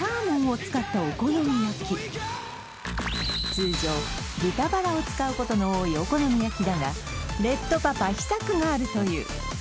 通常豚バラを使うことの多いお好み焼きだがレッドパパ秘策があるという！